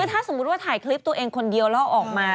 ถ้าสมมุติว่าถ่ายคลิปตัวเองคนเดียวแล้วออกมา